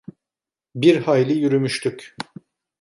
Bir hayli yürümüştük.